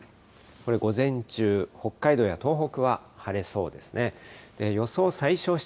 これ、午前中、北海道や東北は晴れそうですね。